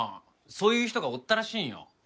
そういう人がおったらしいんよ。